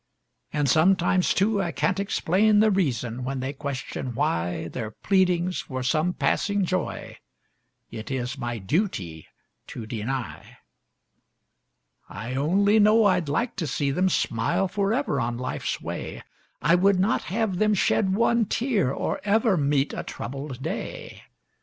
And sometimes, too, I can't explain the reason when they question why Their pleadings for some passing joy it is my duty to deny. I only know I'd like to see them smile forever on life's way; I would not have them shed one tear or ever meet a troubled day.